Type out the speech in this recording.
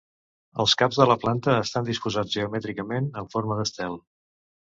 Els caps de la planta estan disposats geomètricament en forma d'estel.